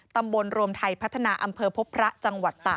รวมไทยพัฒนาอำเภอพบพระจังหวัดตาก